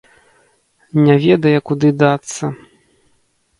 Не ведае, куды дацца.